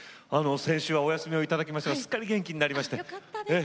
先週お休みをいただきましたがすっかり元気になりした。